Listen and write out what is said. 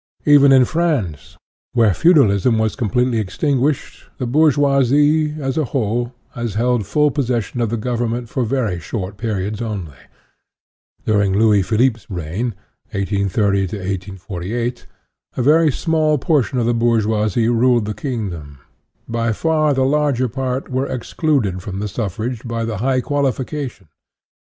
Even in France, where feudalism was completely extinguished, the bourgeois'e, as a whole, has held full possession of the Govern ment for very short periods only. During Louis Philippe's reign, 1830 48, a very small portion of the bourgeoisie ruled the kingdom ; by far the larger part were excluded from the suffrage by 38 INTRODUCTION the high qualification.